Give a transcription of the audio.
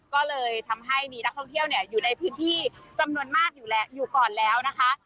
ก็เลยทำให้มีนักท่องเที่ยวอยู่ในพื้นที่จำนวนมากอยู่ก่อนแล้วนะคะ